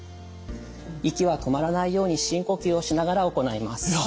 息は止まらないように深呼吸をしながら行います。